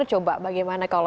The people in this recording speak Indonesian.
jadi betul ya